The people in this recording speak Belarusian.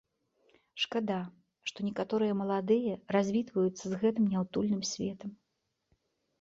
Шкада, што некаторыя маладыя развітваюцца з гэтым няўтульным светам.